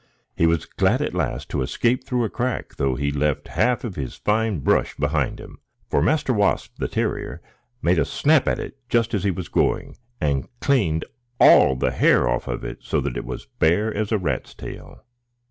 He was glad at last to escape through a crack, though he left half of his fine brush behind him; for Master Wasp the terrier made a snap at it just as he was going, and cleaned all the hair off of it, so that it was bare as a rat's tail.